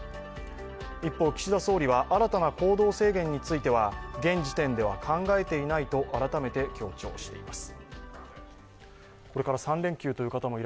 一方、岸田総理は新たな行動制限については現時点では考えていないと改めて強調しています。